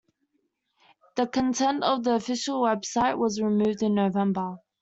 The content of the official website was removed in November.